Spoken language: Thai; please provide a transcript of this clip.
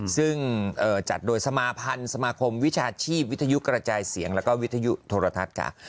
ซึ่งจัดโดยสมาพันธ์สมาคมวิชาชีพวิทยุกระจายเสียงแล้วก็วิทยุโทรทัศน์ค่ะ